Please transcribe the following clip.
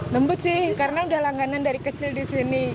lembut sih karena udah langganan dari kecil di sini